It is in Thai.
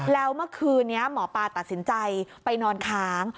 แล้วเมื่อคืนนี้หมอปลาตัดสินใจไปนอนค้าง